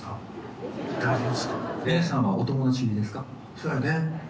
そうやね？